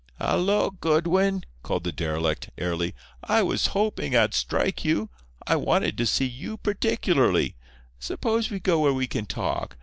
"Hallo, Goodwin!" called the derelict, airily. "I was hoping I'd strike you. I wanted to see you particularly. Suppose we go where we can talk.